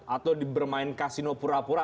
atau bermain kasino pura pura